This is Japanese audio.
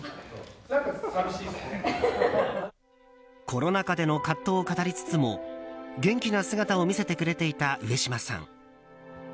コロナ禍での葛藤を語りつつも元気な姿を見せてくれていた上島さん。